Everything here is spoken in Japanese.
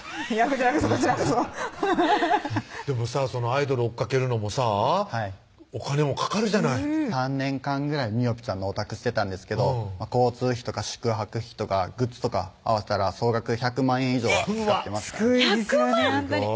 こちらこそこちらこそでもさそのアイドル追っかけるのもさお金もかかるじゃない３年間ぐらいみおぴちゃんのオタクしてたんですが交通費とか宿泊費とかグッズとか合わせたら総額１００万円以上は使ってますかね１００万！